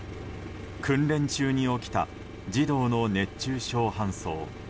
訓練中に起きた児童の熱中症搬送。